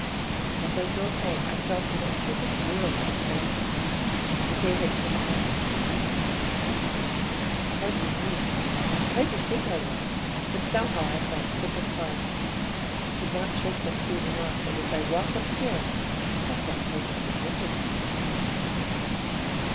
As I drove home, I felt in a perfect whirl of excitement. The day had come at last. Was I glad? I hardly knew I tried to think I was; but somehow I felt sick at heart; I could not shake that feeling off, and as I walked upstairs, I felt perfectly miserable.